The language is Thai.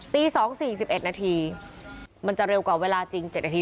ตี๒๔๑นาทีมันจะเร็วกว่าเวลาจริง๗นาที